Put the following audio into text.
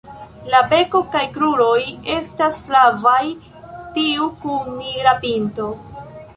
La beko kaj kruroj estas flavaj, tiu kun nigra pinto.